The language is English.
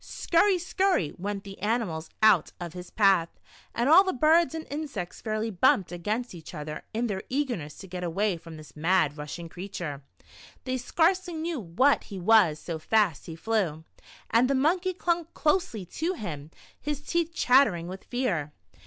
"Scurry, scurry," went the ani mals out of his path, and all the birds and insects fairly bumped against each other in their eagerness to get away from this mad, rushing creature — they scarcely knew what he was, so fast he flew. And the Monkey clung closely to him, his teeth chat tering with fear.